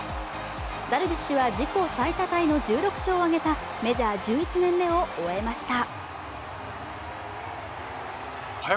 ダルビッシュは自己最多タイの１６勝を挙げたメジャー１１年目を終えました。